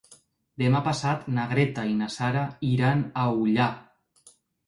Demà passat na Greta i na Sara iran a Ullà.